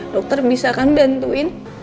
dokter bisa kan bantuin